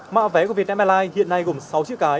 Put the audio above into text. mạ vé của việt mla hiện nay gồm sáu chiếc cái